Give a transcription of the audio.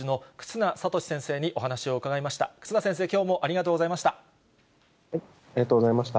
忽那先生、きょうもありがとうごありがとうございました。